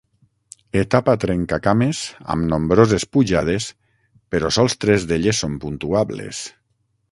Etapa trencacames, amb nombroses pujades, però sols tres d'elles són puntuables.